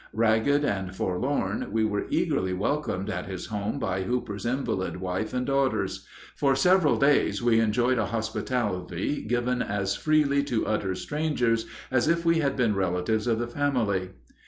Ragged and forlorn, we were eagerly welcomed at his home by Hooper's invalid wife and daughters. For several days we enjoyed a hospitality given as freely to utter strangers as if we had been relatives of the family.